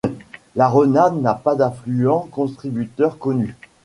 La Renarde n'a pas d'affluent contributeur connu.